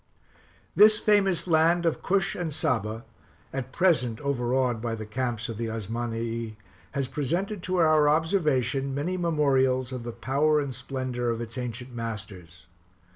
This famous land of Cush and Saba, at present overawed by the camps of the Osmanii, has presented to our observation many memorials of the power and splendor of its ancient masters.